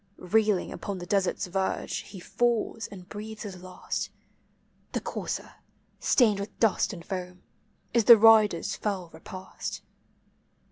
Reeling upon the desert's verge, he fallB, and breathes his last ; The courser, stained with <lust and foam, is the rider's fell repast.